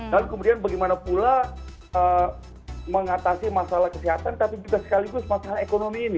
dan kemudian bagaimana pula mengatasi masalah kesehatan tapi juga sekaligus masalah ekonomi ini